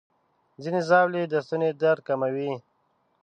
ځینې ژاولې د ستوني درد کموي.